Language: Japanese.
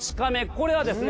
これはですね